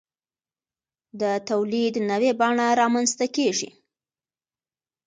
د تولید نوې بڼه رامنځته کیږي.